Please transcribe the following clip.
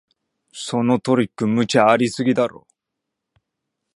そのトリック、無茶ありすぎだろ